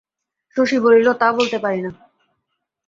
শশী বলিল, তা বলতে পারি না।